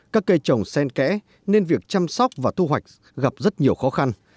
các cây trồng sen kẽ nên việc chăm sóc và thu hoạch gặp rất nhiều khó khăn